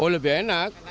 oh lebih enak